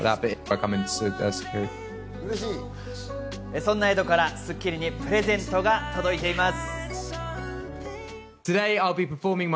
そんなエドから『スッキリ』にプレゼントが届いています。